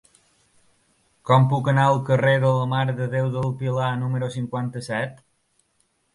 Com puc anar al carrer de la Mare de Déu del Pilar número cinquanta-set?